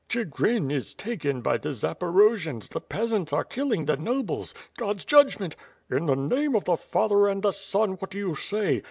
"Chigrin is taken by the Zaporojians, the peasants are kill ing the nobles — God's judgment ..." "In the name of the Father and the Son, what do you say?